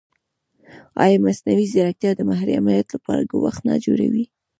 ایا مصنوعي ځیرکتیا د محرمیت لپاره ګواښ نه جوړوي؟